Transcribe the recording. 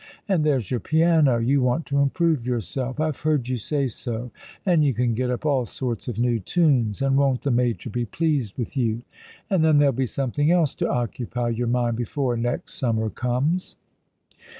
And there's your piano. You want to improve yourself — I've heard you say so— and you can get up all sorts of new tunes, and won't the major be pleased with you ; and then — there'll be something else to occupy your mind before next summer comes.'